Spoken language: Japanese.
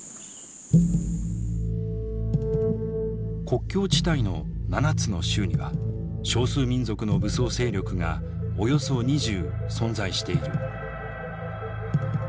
国境地帯の７つの州には少数民族の武装勢力がおよそ２０存在している。